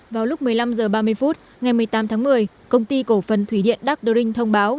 vào lúc một mươi năm h ba mươi phút ngày một mươi tám tháng một mươi công ty cổ phần thủy điện đắc đu rinh thông báo